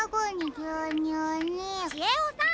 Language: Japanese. ちえおさん！